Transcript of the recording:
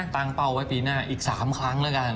เป้าไว้ปีหน้าอีก๓ครั้งแล้วกัน